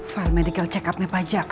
file medical check upnya pajak